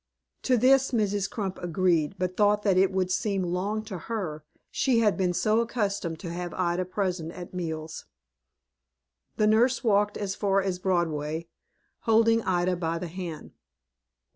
To this, Mrs. Crump agreed, but thought that it would seem long to her, she had been so accustomed to have Ida present at meals. The nurse walked as far as Broadway, holding Ida by the hand.